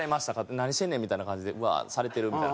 「何してんねん」みたいな感じでワーッてされてるみたいな。